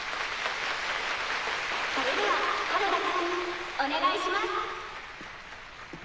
それでは原田くんお願いします。